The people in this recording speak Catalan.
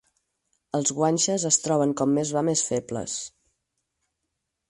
Els guanxes es troben com més va més febles.